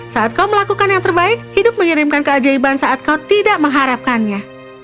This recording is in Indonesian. saat kau melakukan yang terbaik hidup mengirimkan keajaiban saat kau tidak mengharapkannya